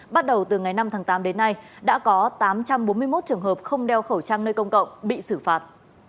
bắt đầu từ ngày năm tháng tám đến nay đã có tám trăm bốn mươi một trường hợp không đeo khẩu trang nơi công cộng bị xử phạt